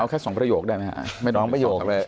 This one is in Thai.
เอาแค่สองประโยคได้ไหมครับไม่ร้องประโยคเลย